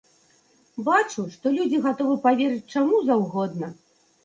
Бачу, што людзі гатовы паверыць чаму заўгодна.